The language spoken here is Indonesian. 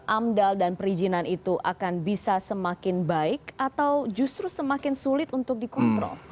amdal dan perizinan itu akan bisa semakin baik atau justru semakin sulit untuk dikontrol